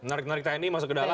narik narik tni masuk ke dalam